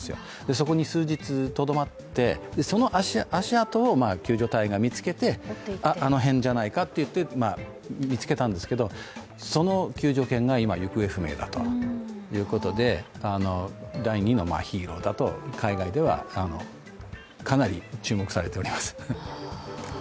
そこに数日、とどまってその足跡を救助隊が見つけて、あの辺じゃないかと見つけたんですがその救助犬が今、行方不明だということで第２のヒーローだと海外ではかなり注目されています。